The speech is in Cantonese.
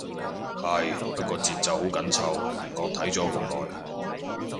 係，不過節奏好緊湊，唔覺睇咗咁耐